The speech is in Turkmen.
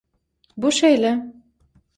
Bu şeýle.